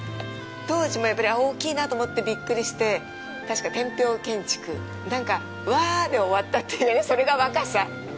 当時もやっぱり、あぁ、大きいなと思ってびっくりして、たしか天平建築、なんか、ウワァで終わったという、それが若さ。